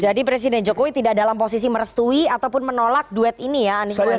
jadi presiden jokowi tidak dalam posisi merestui ataupun menolak duet ini ya anis mohaimin